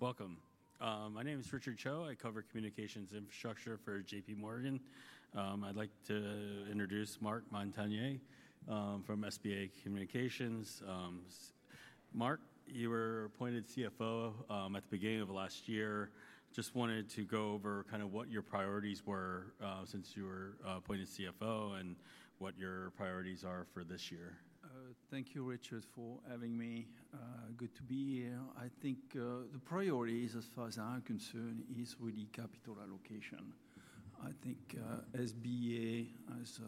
Hi. Welcome. My name is Richard Cho. I cover communications infrastructure for JPMorgan. I'd like to introduce Marc Montagner from SBA Communications. Marc, you were appointed CFO at the beginning of last year. Just wanted to go over kind of what your priorities were since you were appointed CFO and what your priorities are for this year. Thank you, Richard, for having me. Good to be here. I think the priorities, as far as I'm concerned, are really capital allocation. I think SBA, as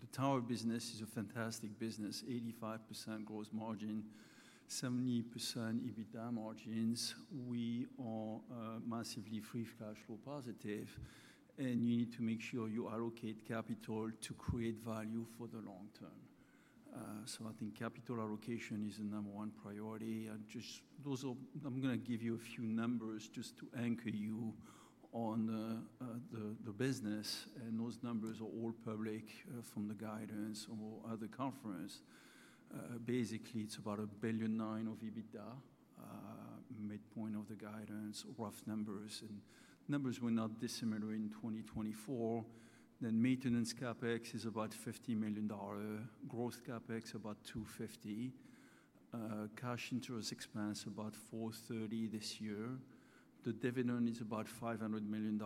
the tower business, is a fantastic business: 85% gross margin, 70% EBITDA margins. We are massively free of cash flow positive, and you need to make sure you allocate capital to create value for the long term. I think capital allocation is the number one priority. I'm going to give you a few numbers just to anchor you on the business, and those numbers are all public from the guidance or other conference. Basically, it's about $1.9 billion of EBITDA midpoint of the guidance, rough numbers. And numbers will not dissimilar in 2024. Maintenance capex is about $15 million. Gross CapEx is about $250 million. Cash interest expense is about $430 million this year. The dividend is about $500 million,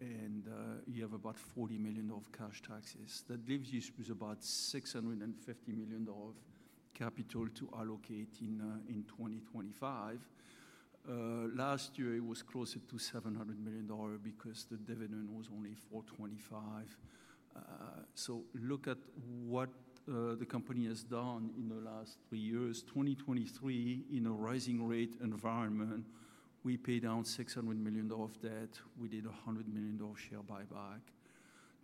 and you have about $40 million of cash taxes. That leaves you with about $650 million of capital to allocate in 2025. Last year, it was closer to $700 million because the dividend was only $425 million. Look at what the company has done in the last three years. 2023, in a rising rate environment, we paid down $600 million of debt. We did a $100 million share buyback.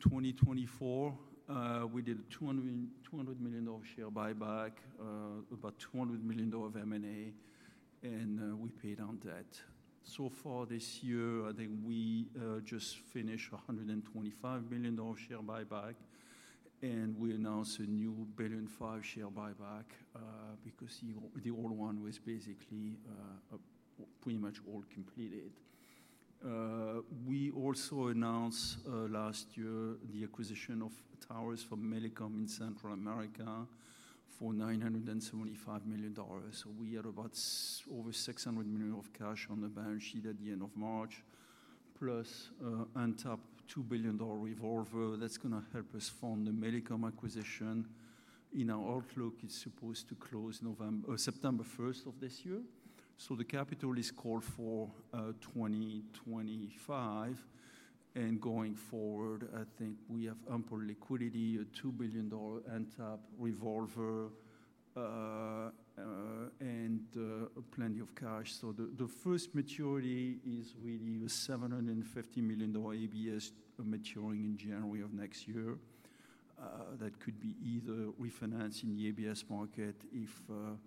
2024, we did a $200 million share buyback, about $200 million of M&A, and we paid down debt. So far this year, I think we just finished a $125 million share buyback, and we announced a new $1.5 billion share buyback because the old one was basically pretty much all completed. We also announced last year the acquisition of towers from Millicom in Central America for $975 million. We had about over $600 million of cash on the balance sheet at the end of March, plus an on top $2 billion revolver that's going to help us fund the Millicom acquisition. In our outlook, it's supposed to close September 1 of this year. The capital is called for 2025. Going forward, I think we have ample liquidity, a $2 billion on top revolver, and plenty of cash. The first maturity is really a $750 million ABS maturing in January of next year. That could be either refinancing the ABS market if the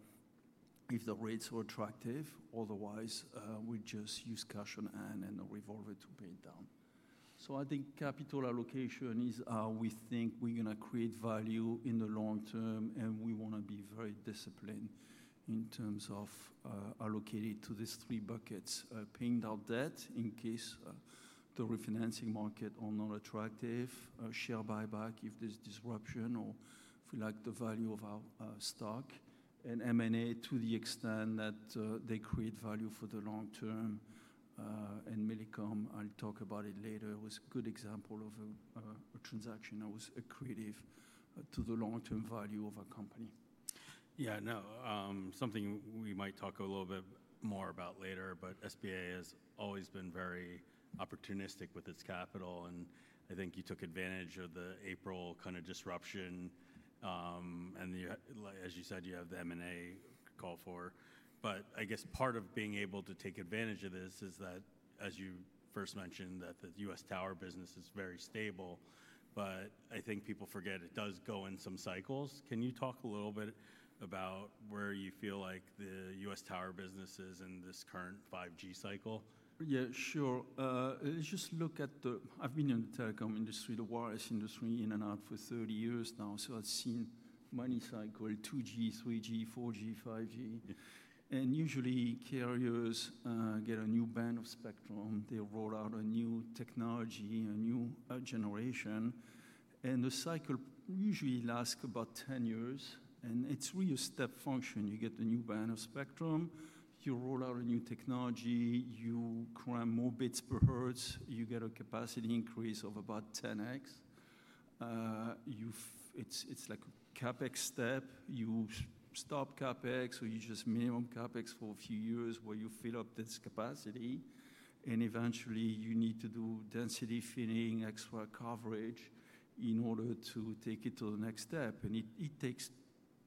rates are attractive. Otherwise, we just use cash on hand and the revolver to pay it down. I think capital allocation is how we think we're going to create value in the long term, and we want to be very disciplined in terms of allocating to these three buckets: paying down debt in case the refinancing market is not attractive, share buyback if there's disruption or if we like the value of our stock, and M&A to the extent that they create value for the long term. Millicom, I'll talk about it later, was a good example of a transaction that was accretive to the long-term value of our company. Yeah, no, something we might talk a little bit more about later, but SBA has always been very opportunistic with its capital. I think you took advantage of the April kind of disruption. As you said, you have the M&A call for. I guess part of being able to take advantage of this is that, as you first mentioned, the U.S. tower business is very stable. I think people forget it does go in some cycles. Can you talk a little bit about where you feel like the U.S. tower business is in this current 5G cycle? Yeah, sure. Let's just look at the, I've been in the telecom industry, the wireless industry in and out for 30 years now. So I've seen many cycles: 2G, 3G, 4G, 5G. Usually, carriers get a new band of spectrum. They roll out a new technology, a new generation. The cycle usually lasts about 10 years. It's really a step function. You get the new band of spectrum. You roll out a new technology. You cram more bits per hertz. You get a capacity increase of about 10x. It's like a capex step. You stop capex or you just minimum capex for a few years where you fill up this capacity. Eventually, you need to do density fitting, extra coverage in order to take it to the next step. It takes,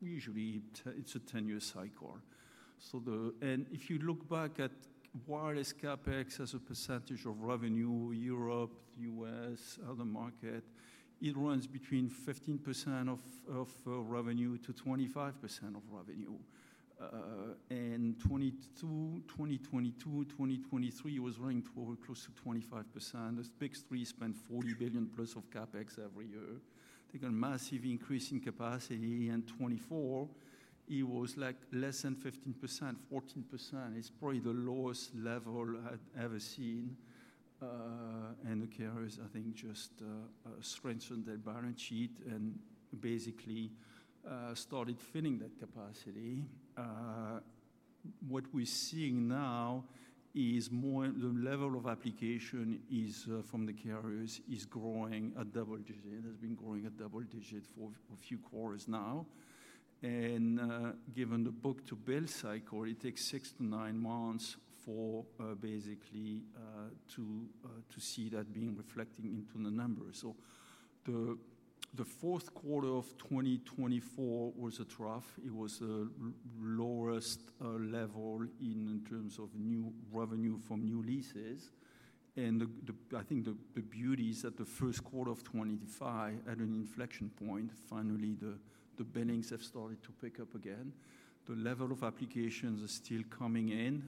usually it's a 10-year cycle. If you look back at wireless CapEx as a percentage of revenue, Europe, U.S., other market, it runs between 15% of revenue to 25% of revenue. In 2022, 2023, it was running close to 25%. The big three spent $40 billion-plus of CapEx every year. They got a massive increase in capacity. In 2024, it was like less than 15%, 14%. It is probably the lowest level I have ever seen. The carriers, I think, just strengthened their balance sheet and basically started filling that capacity. What we are seeing now is more the level of application from the carriers is growing at double digit. It has been growing at double digit for a few quarters now. Given the book-to-bill cycle, it takes six to nine months for that to be reflected in the numbers. The fourth quarter of 2024 was a trough. It was the lowest level in terms of new revenue from new leases. I think the beauty is that the first quarter of 2025 had an inflection point. Finally, the billings have started to pick up again. The level of applications are still coming in,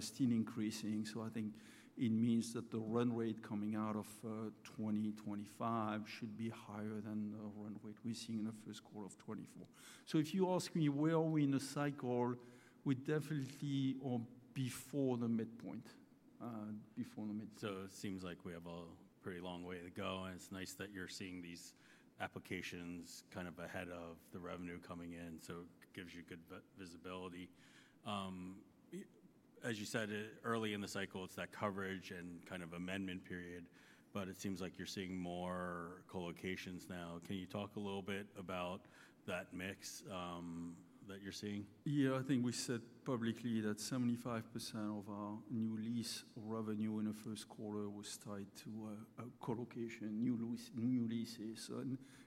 still increasing. I think it means that the run rate coming out of 2025 should be higher than the run rate we are seeing in the first quarter of 2024. If you ask me where are we in the cycle, we are definitely before the midpoint, before the mid. It seems like we have a pretty long way to go. It's nice that you're seeing these applications kind of ahead of the revenue coming in. It gives you good visibility. As you said, early in the cycle, it's that coverage and kind of amendment period. It seems like you're seeing more colocations now. Can you talk a little bit about that mix that you're seeing? Yeah, I think we said publicly that 75% of our new lease revenue in the first quarter was tied to colocation, new leases. So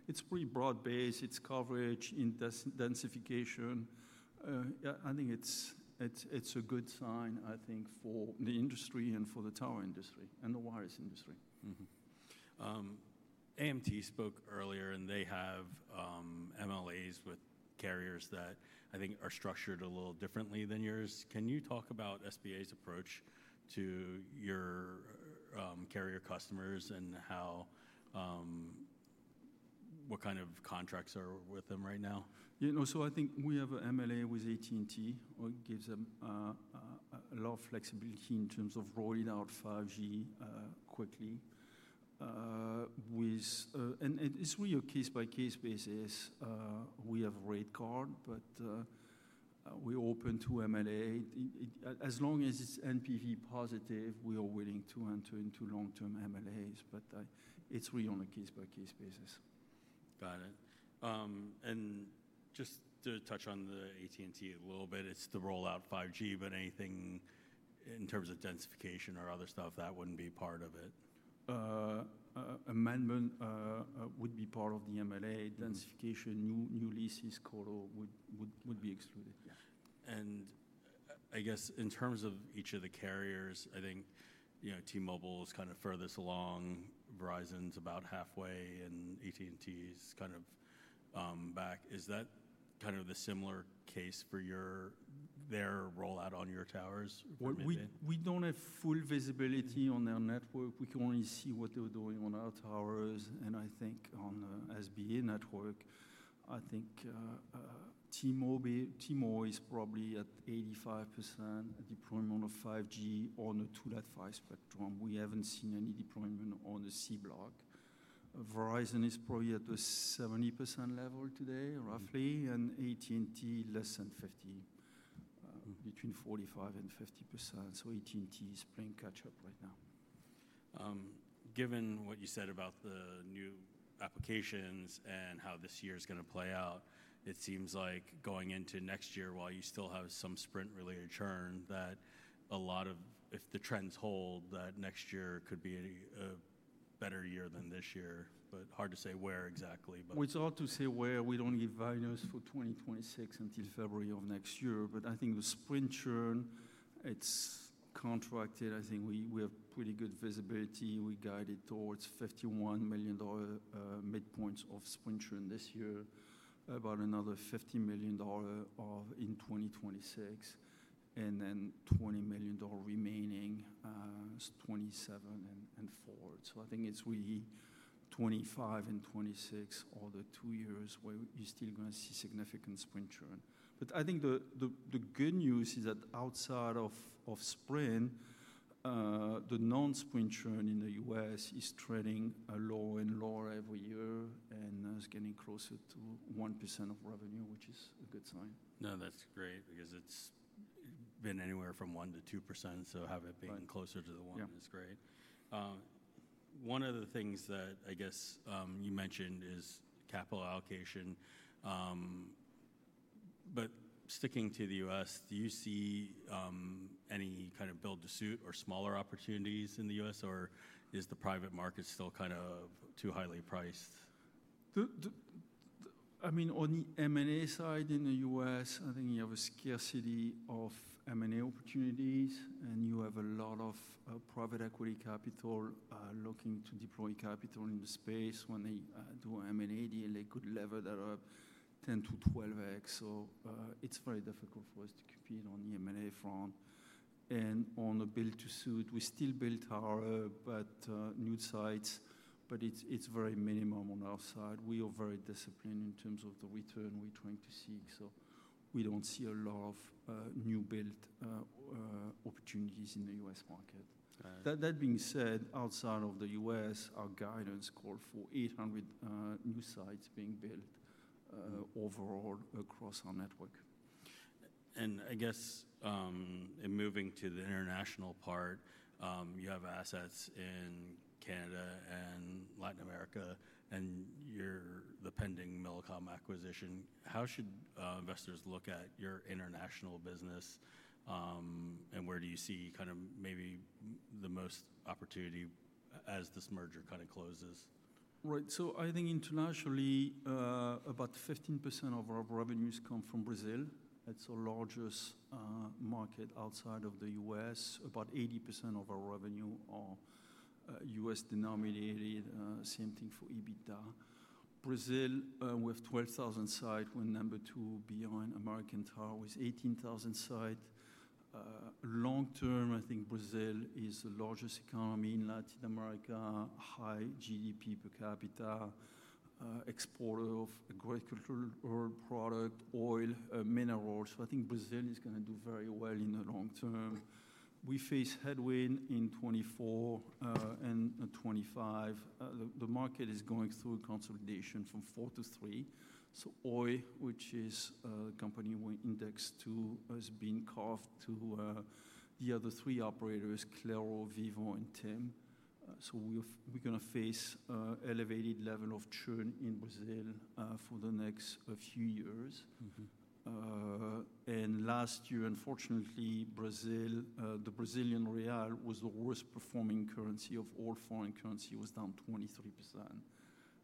it's pretty broad-based. It's coverage, densification. I think it's a good sign, I think, for the industry and for the tower industry and the wireless industry. AMT spoke earlier, and they have MLAs with carriers that I think are structured a little differently than yours. Can you talk about SBA's approach to your carrier customers and what kind of contracts are with them right now? You know, so I think we have an MLA with AT&T, which gives them a lot of flexibility in terms of rolling out 5G quickly. It is really a case-by-case basis. We have a rate card, but we are open to MLA. As long as it is NPV positive, we are willing to enter into long-term MLAs. It is really on a case-by-case basis. Got it. And just to touch on the AT&T a little bit, it's the rollout 5G, but anything in terms of densification or other stuff, that wouldn't be part of it? Amendment would be part of the MLA. Densification, new leases quota would be excluded. I guess in terms of each of the carriers, I think T-Mobile is kind of furthest along, Verizon's about halfway, and AT&T is kind of back. Is that kind of the similar case for their rollout on your towers? We do not have full visibility on their network. We can only see what they are doing on our towers. I think on the SBA network, I think T-Mobile is probably at 85% deployment of 5G on the 2.5 spectrum. We have not seen any deployment on the C block. Verizon is probably at the 70% level today, roughly, and AT&T less than 50%, between 45% and 50%. AT&T is playing catch-up right now. Given what you said about the new applications and how this year is going to play out, it seems like going into next year, while you still have some Sprint-related churn, that a lot of, if the trends hold, that next year could be a better year than this year. Hard to say where exactly, but. It's hard to say where. We do not give values for 2026 until February of next year. I think the Sprint churn, it is contracted. I think we have pretty good visibility. We guided towards $51 million midpoint of Sprint churn this year, about another $50 million in 2026, and then $20 million remaining 2027 and forward. I think it is really 2025 and 2026, all the two years where you are still going to see significant Sprint churn. I think the good news is that outside of Sprint, the non-Sprint churn in the U.S. is trending lower and lower every year and is getting closer to 1% of revenue, which is a good sign. No, that's great because it's been anywhere from 1% to 2%. Having it being closer to the 1% is great. One of the things that I guess you mentioned is capital allocation. Sticking to the U.S., do you see any kind of build-to-suit or smaller opportunities in the U.S., or is the private market still kind of too highly priced? I mean, on the M&A side in the U.S., I think you have a scarcity of M&A opportunities, and you have a lot of private equity capital looking to deploy capital in the space. When they do M&A, they could lever that up 10-12x. It is very difficult for us to compete on the M&A front. On the build-to-suit, we still build tower, but new sites. It is very minimum on our side. We are very disciplined in terms of the return we are trying to seek. We do not see a lot of new build opportunities in the U.S. market. That being said, outside of the U.S., our guidance called for 800 new sites being built overall across our network. I guess moving to the international part, you have assets in Canada and Latin America, and you are the pending Millicom acquisition. How should investors look at your international business, and where do you see kind of maybe the most opportunity as this merger kind of closes? Right. I think internationally, about 15% of our revenues come from Brazil. That is our largest market outside of the US. About 80% of our revenue are US denominated. Same thing for EBITDA. Brazil, we have 12,000 sites. We are number two behind American Tower with 18,000 sites. Long term, I think Brazil is the largest economy in Latin America, high GDP per capita, exporter of agricultural product, oil, minerals. I think Brazil is going to do very well in the long term. We face headwind in 2024 and 2025. The market is going through consolidation from four to three. Oi, which is the company we index to, has been carved to the other three operators, Claro, Vivo, and TIM. We are going to face an elevated level of churn in Brazil for the next few years. Last year, unfortunately, Brazil, the Brazilian real was the worst performing currency of all foreign currency. It was down 23%.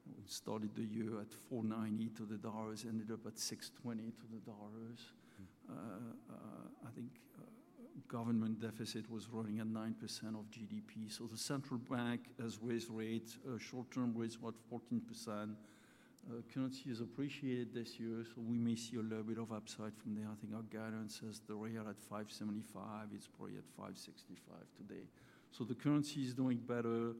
We started the year at 4.98 to the dollar, ended up at 6.28 to the dollar. I think government deficit was running at 9% of GDP. The central bank has raised rates. Short-term rates were at 14%. Currency has appreciated this year, so we may see a little bit of upside from there. I think our guidance says the real at 5.75. It is probably at 5.65 today. The currency is doing better.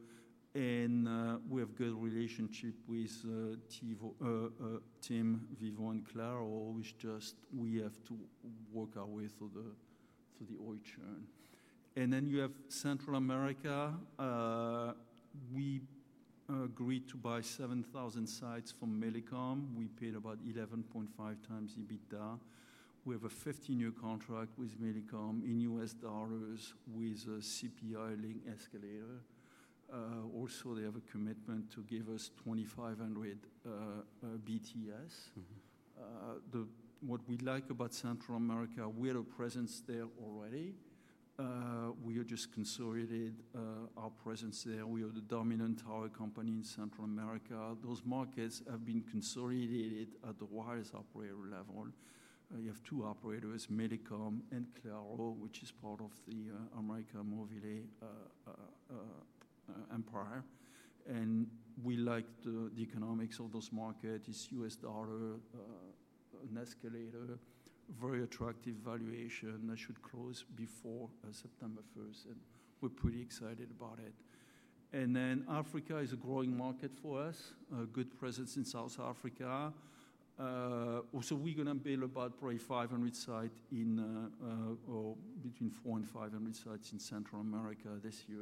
We have a good relationship with TIM, Vivo, and Claro, which just we have to work our way through the Oi churn. You have Central America. We agreed to buy 7,000 sites from Millicom. We paid about 11.5x EBITDA. We have a 50-year contract with Millicom in US dollars with a CPI-linked escalator. Also, they have a commitment to give us 2,500 BTS. What we like about Central America, we have a presence there already. We are just consolidating our presence there. We are the dominant tower company in Central America. Those markets have been consolidated at the wireless operator level. You have two operators, Millicom and Claro, which is part of the América Móvil empire. We like the economics of those markets. It is US dollar, an escalator, very attractive valuation. That should close before September 1. We are pretty excited about it. Africa is a growing market for us, a good presence in South Africa. Also, we are going to build about probably 500 sites in or between 400 and 500 sites in Central America this year.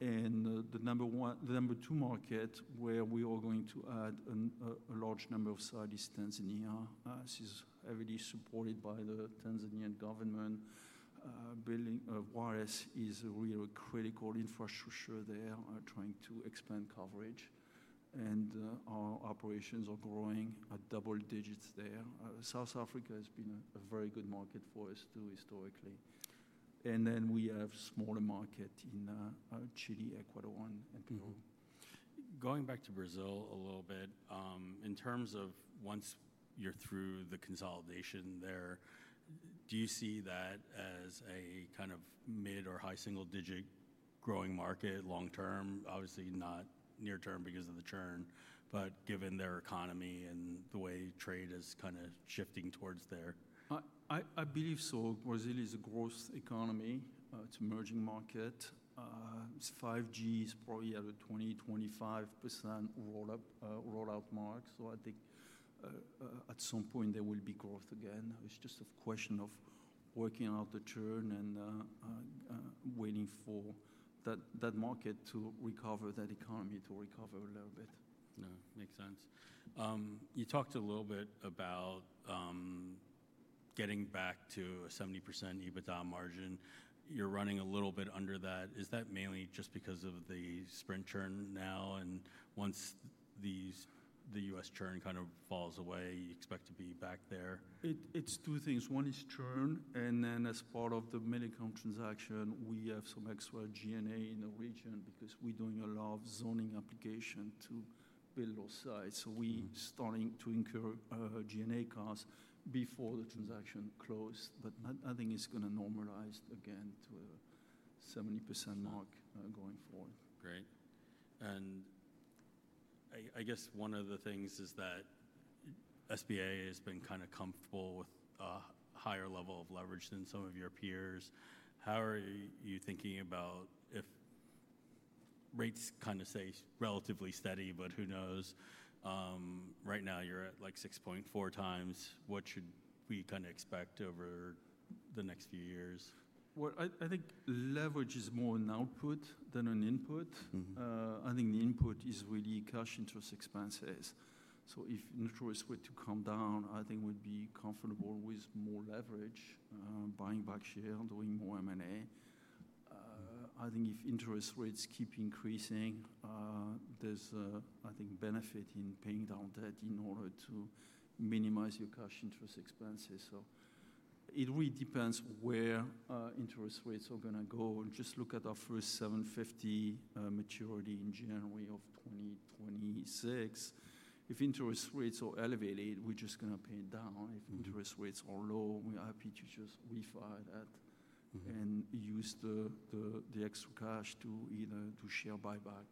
The number two market where we are going to add a large number of sites is Tanzania. This is heavily supported by the Tanzanian government. Wireless is a real critical infrastructure there, trying to expand coverage. Our operations are growing at double digits there. South Africa has been a very good market for us too, historically. We have a smaller market in Chile, Ecuador, and Peru. Going back to Brazil a little bit, in terms of once you're through the consolidation there, do you see that as a kind of mid or high single-digit growing market long term? Obviously, not near term because of the churn, but given their economy and the way trade is kind of shifting towards there. I believe so. Brazil is a growth economy. It's an emerging market. 5G is probably at a 20%-25% rollout mark. I think at some point, there will be growth again. It's just a question of working out the churn and waiting for that market to recover, that economy to recover a little bit. Makes sense. You talked a little bit about getting back to a 70% EBITDA margin. You're running a little bit under that. Is that mainly just because of the Sprint churn now? Once the US churn kind of falls away, you expect to be back there? It's two things. One is churn. And then as part of the Millicom transaction, we have some extra G&A in the region because we're doing a lot of zoning application to build those sites. So we're starting to incur G&A costs before the transaction closes. But I think it's going to normalize again to a 70% mark going forward. Great. I guess one of the things is that SBA has been kind of comfortable with a higher level of leverage than some of your peers. How are you thinking about if rates kind of stay relatively steady, but who knows? Right now, you're at like 6.4x. What should we kind of expect over the next few years? I think leverage is more an output than an input. I think the input is really cash interest expenses. If interest rates were to come down, I think we'd be comfortable with more leverage, buying back share, doing more M&A. I think if interest rates keep increasing, there's benefit in paying down debt in order to minimize your cash interest expenses. It really depends where interest rates are going to go. Just look at our first $750 million maturity in January of 2026. If interest rates are elevated, we're just going to pay it down. If interest rates are low, we're happy to just refinance and use the extra cash to either share buyback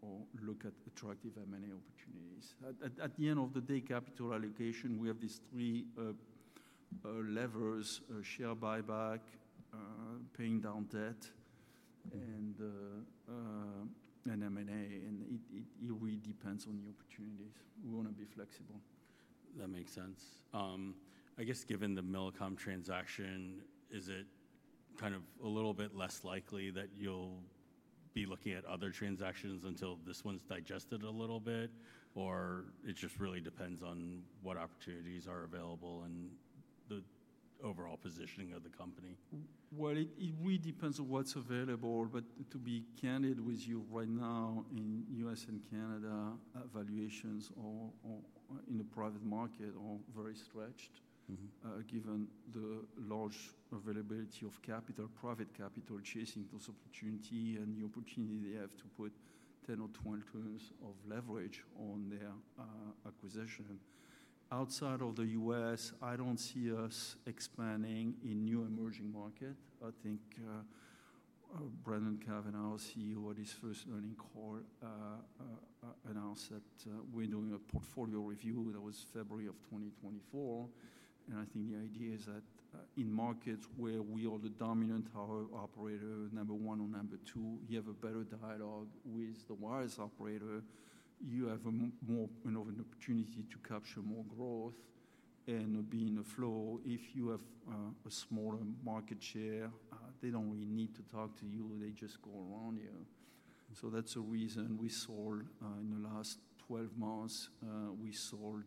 or look at attractive M&A opportunities. At the end of the day, capital allocation, we have these three levers: share buyback, paying down debt, and M&A. It really depends on the opportunities. We want to be flexible. That makes sense. I guess given the Millicom transaction, is it kind of a little bit less likely that you'll be looking at other transactions until this one's digested a little bit, or it just really depends on what opportunities are available and the overall positioning of the company? It really depends on what's available. To be candid with you, right now, in the U.S. and Canada, valuations in the private market are very stretched given the large availability of capital, private capital chasing those opportunities. The opportunity they have to put 10 or 20 times of leverage on their acquisition. Outside of the U.S., I don't see us expanding in new emerging markets. I think Brendan Cavanagh, our CEO, at his first earnings call announced that we're doing a portfolio review. That was February of 2024. I think the idea is that in markets where we are the dominant tower operator, number one or number two, you have a better dialogue with the wireless operator. You have more of an opportunity to capture more growth and be in the flow. If you have a smaller market share, they don't really need to talk to you. They just go around you. That's a reason we sold in the last 12 months. We sold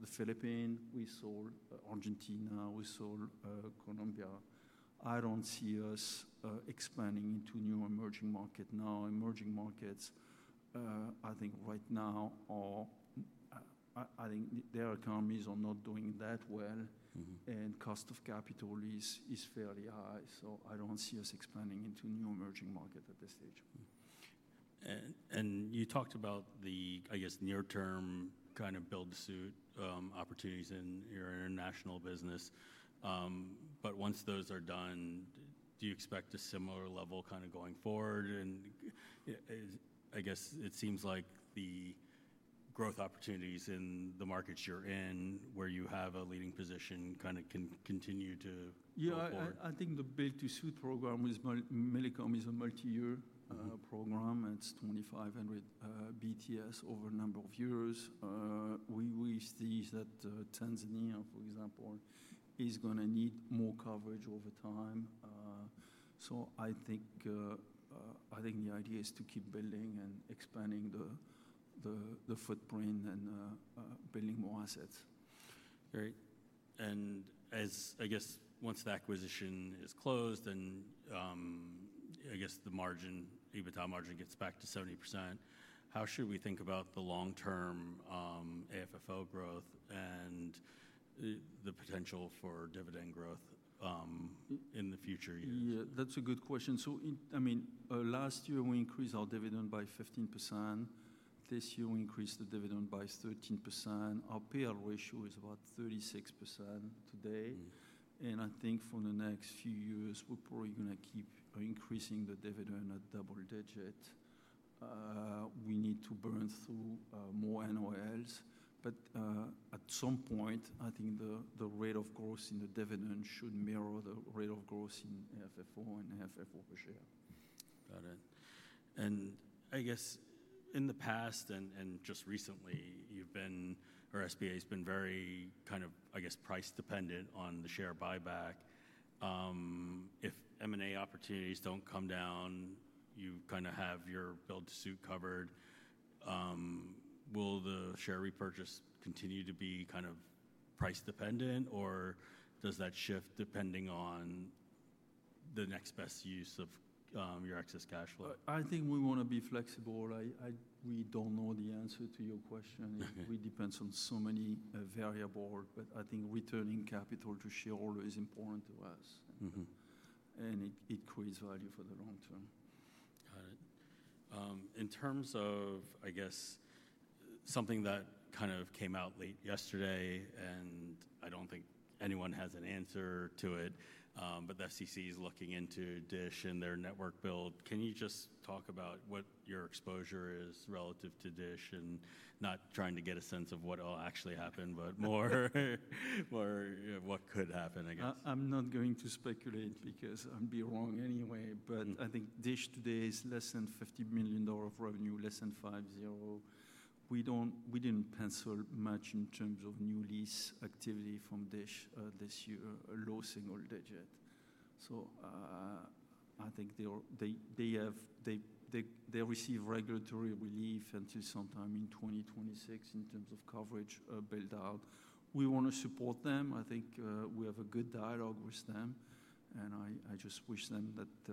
the Philippines. We sold Argentina. We sold Colombia. I don't see us expanding into new emerging markets now. Emerging markets, I think right now, are, I think, their economies are not doing that well. Cost of capital is fairly high. I don't see us expanding into new emerging markets at this stage. You talked about the, I guess, near-term kind of build-to-suit opportunities in your international business. Once those are done, do you expect a similar level kind of going forward? I guess it seems like the growth opportunities in the markets you're in, where you have a leading position, kind of can continue to go forward. Yeah, I think the build-to-suit program with Millicom is a multi-year program. It's 2,500 BTS over a number of years. We see that Tanzania, for example, is going to need more coverage over time. I think the idea is to keep building and expanding the footprint and building more assets. Great. I guess once the acquisition is closed and I guess the margin, EBITDA margin gets back to 70%, how should we think about the long-term AFFO growth and the potential for dividend growth in the future years? Yeah, that's a good question. I mean, last year, we increased our dividend by 15%. This year, we increased the dividend by 13%. Our payout ratio is about 36% today. I think for the next few years, we're probably going to keep increasing the dividend at double digit. We need to burn through more NOLs. At some point, I think the rate of growth in the dividend should mirror the rate of growth in AFFO and AFFO per share. Got it. I guess in the past and just recently, you've been or SBA has been very kind of, I guess, price-dependent on the share buyback. If M&A opportunities don't come down, you kind of have your build-to-suit covered. Will the share repurchase continue to be kind of price-dependent, or does that shift depending on the next best use of your excess cash flow? I think we want to be flexible. We do not know the answer to your question. It really depends on so many variables. I think returning capital to shareholders is important to us. It creates value for the long term. Got it. In terms of, I guess, something that kind of came out late yesterday, and I do not think anyone has an answer to it, but the FCC is looking into DISH and their network build. Can you just talk about what your exposure is relative to DISH and not trying to get a sense of what will actually happen, but more what could happen, I guess? I'm not going to speculate because I'd be wrong anyway. I think DISH today is less than $50 million of revenue, less than 5.0. We did not pencil much in terms of new lease activity from DISH this year, low single digit. I think they receive regulatory relief until sometime in 2026 in terms of coverage build-out. We want to support them. I think we have a good dialogue with them. I just wish them that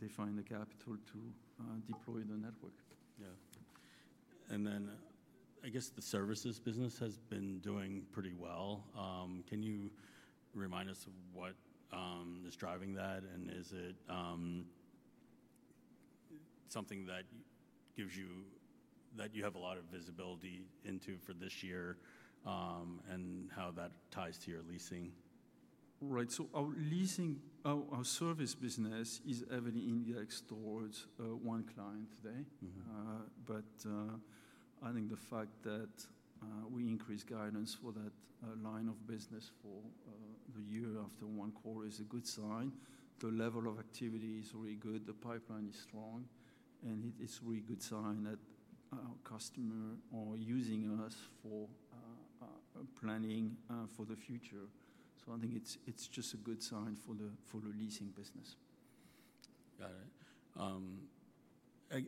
they find the capital to deploy the network. Yeah. I guess the services business has been doing pretty well. Can you remind us of what is driving that? Is it something that gives you, that you have a lot of visibility into for this year and how that ties to your leasing? Right. Our leasing, our service business is heavily indexed towards one client today. I think the fact that we increased guidance for that line of business for the year after one quarter is a good sign. The level of activity is really good. The pipeline is strong. It is a really good sign that our customers are using us for planning for the future. I think it is just a good sign for the leasing business. Got it.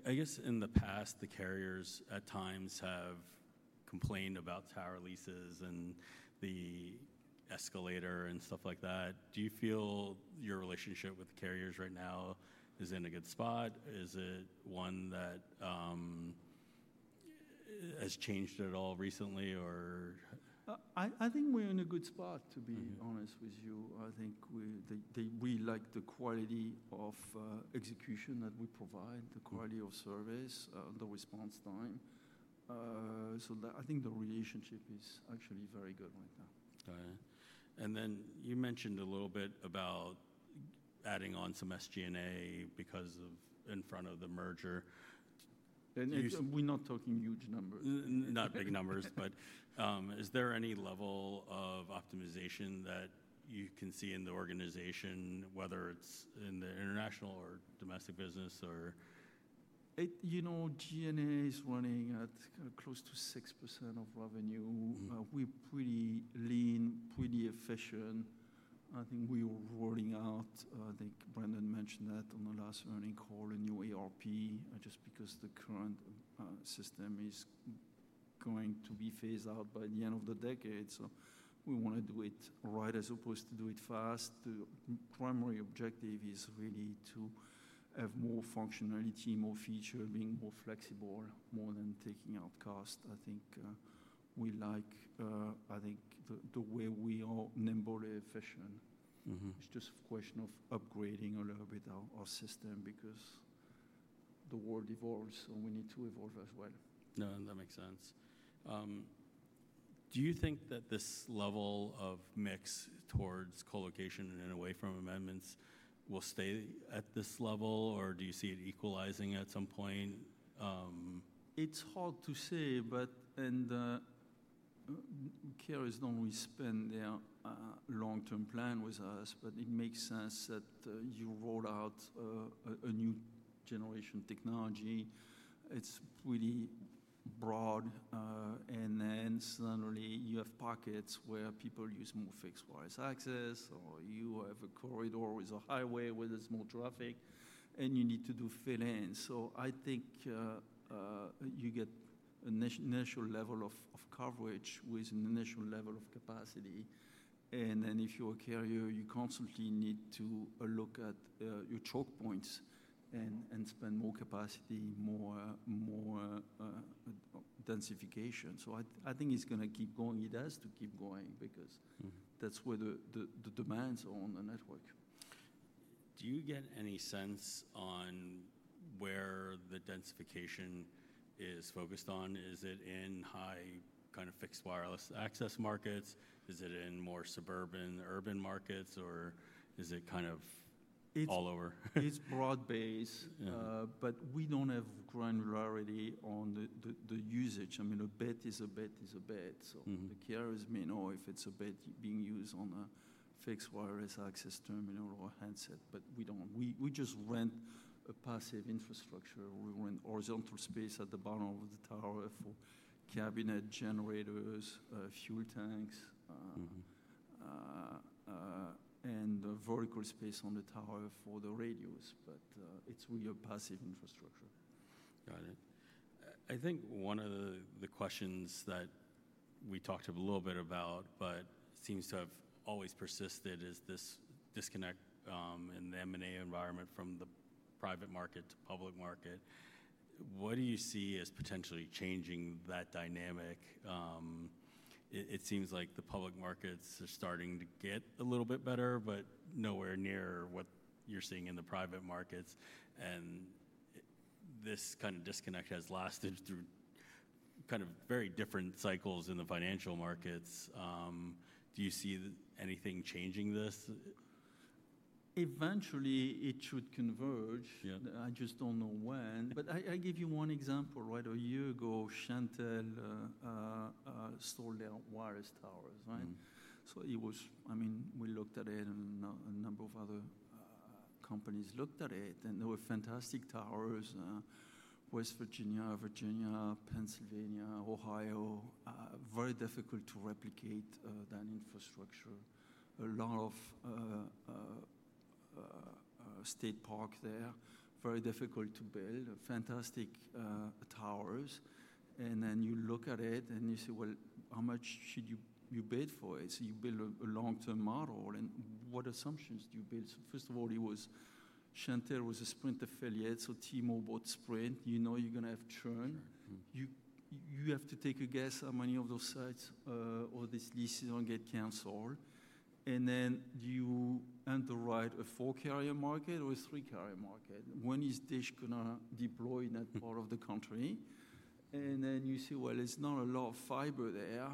I guess in the past, the carriers at times have complained about tower leases and the escalator and stuff like that. Do you feel your relationship with the carriers right now is in a good spot? Is it one that has changed at all recently, or? I think we're in a good spot, to be honest with you. I think we like the quality of execution that we provide, the quality of service, the response time. I think the relationship is actually very good right now. Got it. You mentioned a little bit about adding on some SG&A because of in front of the merger. We're not talking huge numbers. Not big numbers, but is there any level of optimization that you can see in the organization, whether it's in the international or domestic business, or? You know, G&A is running at close to 6% of revenue. We're pretty lean, pretty efficient. I think we are rolling out, I think Brendan mentioned that on the last earnings call, a new ARP, just because the current system is going to be phased out by the end of the decade. We want to do it right as opposed to do it fast. The primary objective is really to have more functionality, more features, being more flexible, more than taking out cost. I think we like, I think, the way we are nimble, efficient. It's just a question of upgrading a little bit our system because the world evolves. We need to evolve as well. No, that makes sense. Do you think that this level of mix towards colocation and away from amendments will stay at this level, or do you see it equalizing at some point? It's hard to say. Carriers do not really spend their long-term plan with us. It makes sense that you roll out a new generation technology. It's really broad. Then suddenly, you have pockets where people use more Fixed Wireless Access, or you have a corridor with a highway with small traffic, and you need to do fill-ins. I think you get a national level of coverage with a national level of capacity. If you're a carrier, you constantly need to look at your choke points and spend more capacity, more densification. I think it's going to keep going. It has to keep going because that's where the demands are on the network. Do you get any sense on where the densification is focused on? Is it in high kind of Fixed Wireless Access markets? Is it in more suburban urban markets, or is it kind of all over? It's broad-based. We don't have granularity on the usage. I mean, a bed is a bed is a bed. The carriers may know if it's a bed being used on a Fixed Wireless Access terminal or handset, but we don't. We just rent a passive infrastructure. We rent horizontal space at the bottom of the tower for cabinets, generators, fuel tanks, and vertical space on the tower for the radios. It's really a passive infrastructure. Got it. I think one of the questions that we talked a little bit about, but seems to have always persisted, is this disconnect in the M&A environment from the private market to public market. What do you see as potentially changing that dynamic? It seems like the public markets are starting to get a little bit better, but nowhere near what you're seeing in the private markets. This kind of disconnect has lasted through kind of very different cycles in the financial markets. Do you see anything changing this? Eventually, it should converge. I just do not know when. I give you one example, right? A year ago, Shentel sold their wireless towers, right? I mean, we looked at it, and a number of other companies looked at it. They were fantastic towers: West Virginia, Virginia, Pennsylvania, Ohio. Very difficult to replicate that infrastructure. A lot of state park there. Very difficult to build. Fantastic towers. You look at it, and you say, how much should you bid for it? You build a long-term model. What assumptions do you build? First of all, Shentel was a Sprint affiliate. T-Mobile and Sprint, you know you are going to have churn. You have to take a guess how many of those sites or these leases do not get canceled. You underwrite a 4-carrier market or a 3-carrier market. When is DISH going to deploy in that part of the country? You say, well, there's not a lot of fiber there.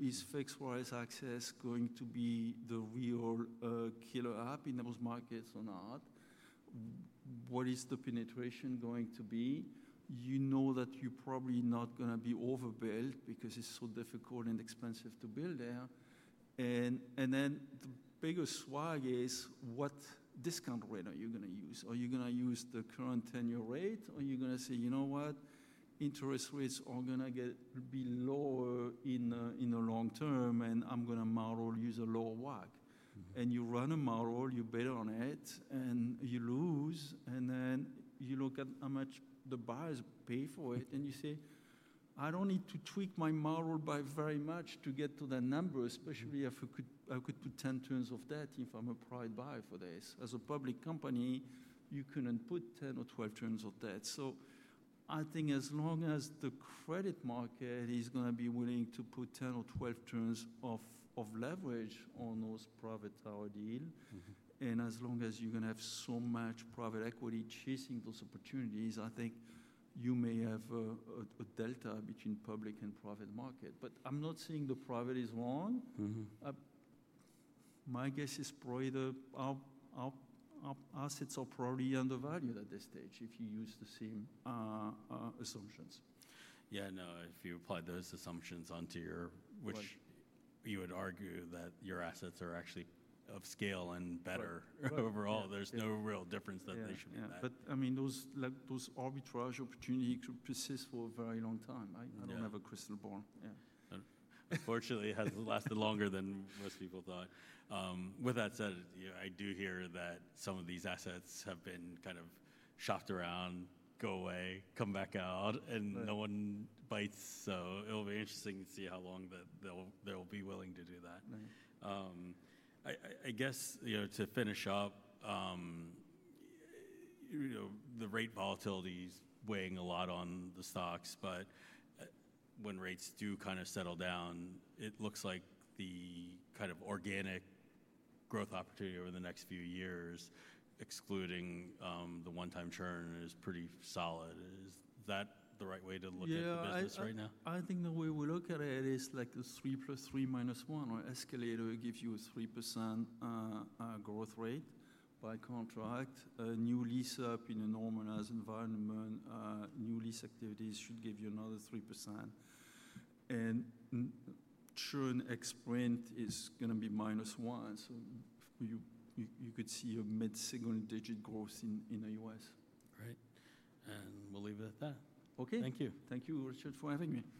Is Fixed Wireless Access going to be the real killer app in those markets or not? What is the penetration going to be? You know that you're probably not going to be overbuilt because it's so difficult and expensive to build there. The biggest swag is what discount rate are you going to use? Are you going to use the current 10 year rate, or are you going to say, you know what? Interest rates are going to be lower in the long term, and I'm going to model use a lower WACC. You run a model, you bid on it, and you lose. You look at how much the buyers pay for it, and you say, I do not need to tweak my model by very much to get to that number, especially if I could put 10 turns of debt if I am a private buyer for this. As a public company, you could not put 10 or 12 turns of debt. I think as long as the credit market is going to be willing to put 10 or 12 turns of leverage on those private tower deals, and as long as you are going to have so much private equity chasing those opportunities, I think you may have a delta between public and private market. I am not saying the private is wrong. My guess is probably the assets are probably undervalued at this stage if you use the same assumptions. Yeah, no, if you apply those assumptions onto your, which you would argue that your assets are actually of scale and better overall, there's no real difference that they should be made. I mean, those arbitrage opportunities could persist for a very long time. I don't have a crystal ball. Yeah. Unfortunately, it has lasted longer than most people thought. With that said, I do hear that some of these assets have been kind of shopped around, go away, come back out, and no one bites. It will be interesting to see how long they'll be willing to do that. I guess to finish up, the rate volatility is weighing a lot on the stocks. When rates do kind of settle down, it looks like the kind of organic growth opportunity over the next few years, excluding the one-time churn, is pretty solid. Is that the right way to look at the business right now? Yeah, I think the way we look at it is like the 3 plus 3 minus 1, or escalator gives you a 3% growth rate by contract. A new lease up in a normalized environment, new lease activities should give you another 3%. And churn ex Sprint is going to be -1. So you could see a mid-single digit growth in the US. Right. We'll leave it at that. Okay. Thank you. Thank you, Richard, for having me.